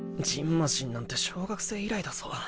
ましんなんて小学生以来だぞ。